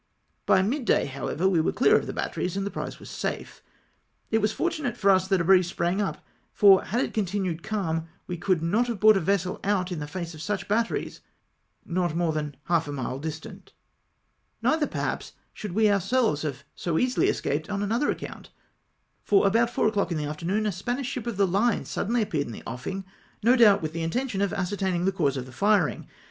By mid day, however, we were clear of the batteries, with the prize safe. It was fortunate for us that a breeze sprang up, for had it continued calm, we could not have brought a vessel out in the face of such batteries, not more than half a mile distant. Neither, perhaps, should we ourselves have so easily escaped, on another account, — for about four o'clock in the afternoon a Spamsh ship of the fine suddenly appeared in the offing, no doubt Avith the intention of ascertaining the cause of the firing.